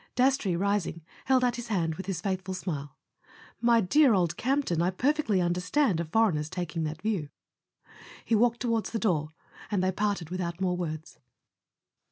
.." Dastrey, rising, held out his hand with his faithful smile. "My dear old Campton, I perfectly understand a foreigner's taking that view. . He walked toward the door and they parted without more words.